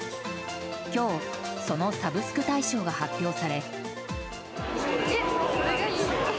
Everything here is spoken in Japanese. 今日、そのサブスク大賞が発表され。